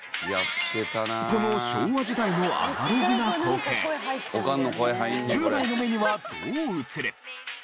この昭和時代のアナログな光景１０代の目にはどう映る？